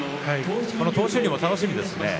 東俊隆も楽しみですね。